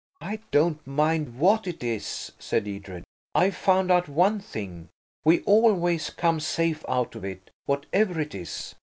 "I don't mind what it is," said Edred. "I've found out one thing. We always come safe out of it, whatever it is.